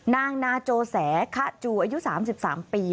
นางนาโจแสคะจูอายุ๓๓ปี